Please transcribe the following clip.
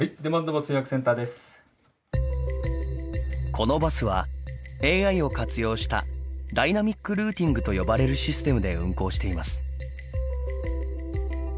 ☎このバスはＡＩを活用したダイナミックルーティングと呼ばれるシステムで運行しています。